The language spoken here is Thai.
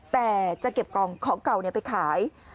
แต่จะเก็บของของเก่าเนี่ยไปขาย